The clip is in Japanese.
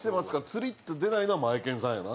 釣りって出ないのはマエケンさんやな。